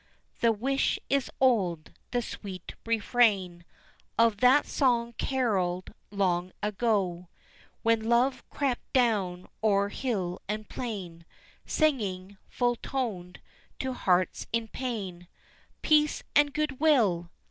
The wishe is olde, the sweete refraine Of that song carolled longe agoe, When Love crepte downe o'er hille and plaine Singing, full toned, to heartes in paine, "Peace ande goodwille!"